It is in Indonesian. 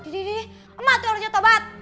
dedeh emak tuh orangnya tobat